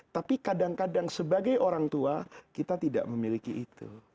tapi kadang kadang sebagai orang tua kita tidak memiliki itu